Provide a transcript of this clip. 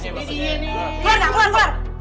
kalian keluar keluar keluar